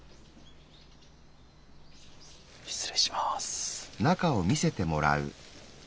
失礼します。